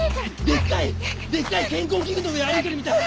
でっかい健康器具の上歩いてるみたい。